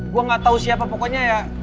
gue enggak tahu siapa pokoknya ya